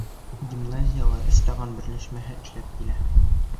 Гимназияла «Өс таған» берләшмәһе эшләп килә.